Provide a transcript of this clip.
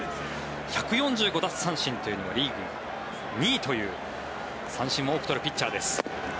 １４５奪三振というのはリーグ２位という三振も多く取るピッチャーです。